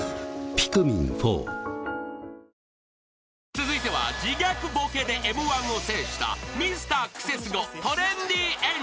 ［続いては自虐ボケでＭ−１を制したミスタークセスゴ］